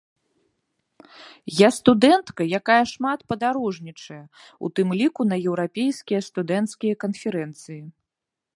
Я студэнтка, якая шмат падарожнічае, ў тым ліку на еўрапейскія студэнцкія канферэнцыі.